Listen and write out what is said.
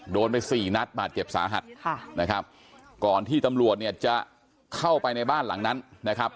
โดนไปสี่นัดบาดเจ็บสาหัสค่ะนะครับก่อนที่ตำรวจเนี่ยจะเข้าไปในบ้านหลังนั้นนะครับ